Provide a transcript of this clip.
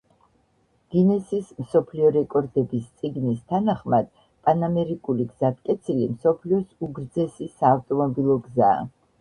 გინესის მსოფლიო რეკორდების წიგნის თანახმად, პანამერიკული გზატკეცილი მსოფლიოს უგრძესი საავტომობილო გზაა.